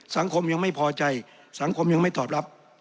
สังคมยังไม่พอใจสังคมยังไม่ตอบรับ